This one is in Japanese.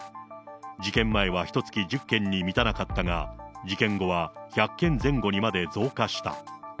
事件前はひとつき１０件に満たなかったが、事件後は１００件前後にまで増加した。